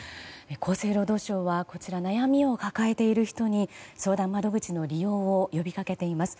厚生労働省は悩みを抱えている人に相談窓口の利用を呼びかけています。